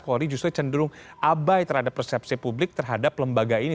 polri justru cenderung abai terhadap persepsi publik terhadap lembaga ini